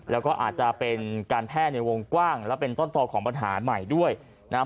แล้วก็อาจจะเป็นการแพร่ในวงกว้างและเป็นต้นต่อของปัญหาใหม่ด้วยนะครับ